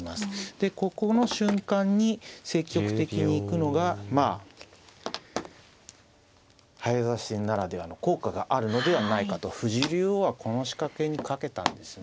でここの瞬間に積極的に行くのがまあ早指し戦ならではの効果があるのではないかと藤井竜王はこの仕掛けに懸けたんですね。